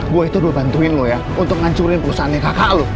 gue itu udah bantuin lo ya untuk ngancurin urusan kakak lo